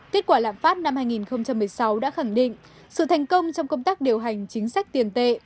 kết quả lãm phát năm hai nghìn một mươi sáu đã khẳng định sự thành công trong công tác điều hành chính sách tiền tệ